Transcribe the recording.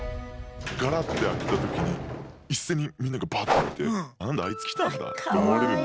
ガラッて開けた時に一斉にみんながバッと見て何だあいつ来たんだってかわいいね。